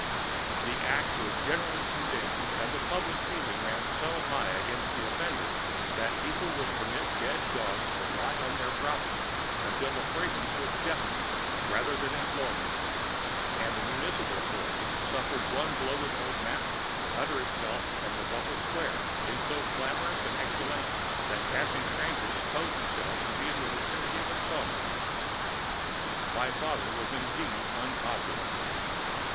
The act was generally condemned and public feeling ran so high against the offender that people would permit dead dogs to lie on their property until the fragrance was deafening rather than employ him; and the municipal authorities suffered one bloated old mastiff to utter itself from a public square in so clamorous an exhalation that passing strangers supposed themselves to be in the vicinity of a saw mill. My father was indeed unpopular.